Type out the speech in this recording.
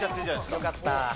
よかった。